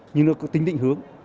nhưng nó có tính định hướng